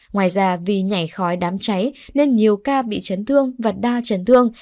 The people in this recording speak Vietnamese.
ngoài ra vì nhảy khói đám cháy nên nhiều ca bị chấn thương và đa chấn thương